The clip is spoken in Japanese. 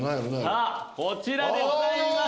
さぁこちらでございます。